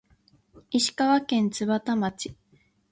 石川県津幡町